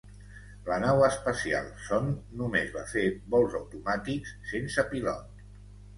La nau espacial Zond només va fer vols automàtics sense pilot.